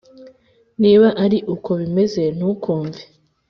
Niba ari uko bimeze ntukumve